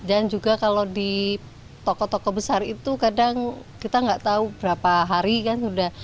dan juga kalau di toko toko besar itu kadang kita nggak tahu berapa hari kan sudah